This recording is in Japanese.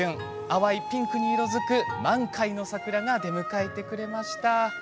淡いピンクに色づく満開の桜が出迎えてくれました。